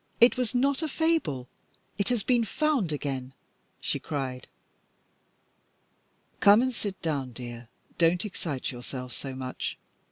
It was not a fable. It has been found again," she cried. "Come and sit down, dear don't excite yourself so much.